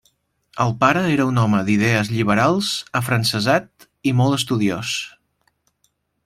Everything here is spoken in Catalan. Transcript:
El pare era un home d’idees lliberals, afrancesat i molt estudiós.